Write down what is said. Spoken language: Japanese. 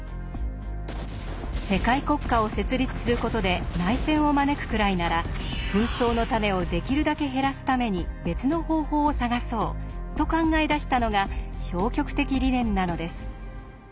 「世界国家を設立する事で内戦を招くくらいなら紛争の種をできるだけ減らすために別の方法を探そう」と考え出したのが消極的理念なのです。